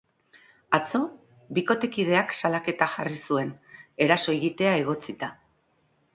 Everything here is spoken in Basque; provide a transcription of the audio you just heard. Atzo, bikotekideak salaketa jarri zuen, eraso egitea egotzita.